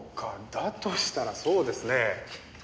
だとしたらそうですね。